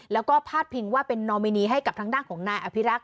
แล้วก็พาดพิงว่าเป็นนอมินีให้กับทางด้านของนายอภิรักษ